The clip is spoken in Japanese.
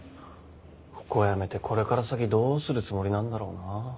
ここを辞めてこれから先どうするつもりなんだろうな。